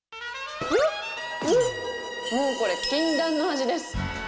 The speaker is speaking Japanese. これ、禁断の味です。